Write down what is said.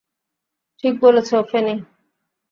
ঠিক বলেছ ফেনি!